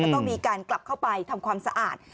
ต้องมีการกลับเข้าไปทำความสะอาด